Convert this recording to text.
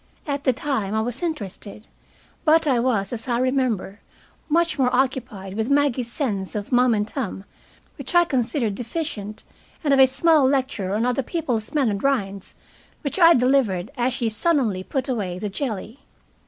At the time I was interested, but I was, as I remember, much more occupied with Maggie's sense of meum and tuum, which I considered deficient, and of a small lecture on other people's melon rinds, which I delivered as she sullenly put away the jelly.